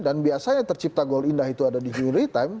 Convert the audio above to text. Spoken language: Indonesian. dan biasanya tercipta gol indah itu ada di injury time